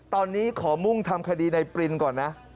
ตอนนี้ขอมุ่งทำคดีในปรินก่อนนะ